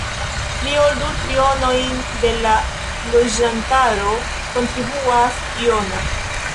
Pli ol du trionojn de la loĝantaro kontribuas Jona.